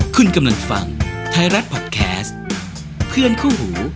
คุณกำลังฟังไทยรัฐพอดแคสต์เพื่อนคู่หู